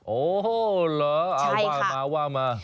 โอ้เหรอว่ามาว่ามา